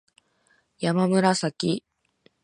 やまむらさき